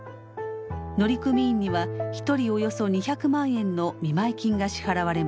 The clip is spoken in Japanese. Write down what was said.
乗組員には１人およそ２００万円の見舞い金が支払われます。